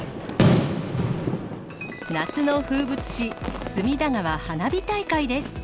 夏の風物詩、隅田川花火大会です。